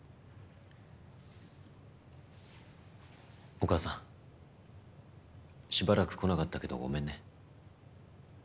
お母さんしばらく来なかったけどごめんね。